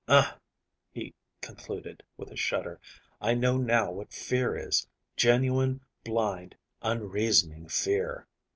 Ugh!" he concluded, with a shudder, "I know now what fear is genuine, blind, unreasoning fear."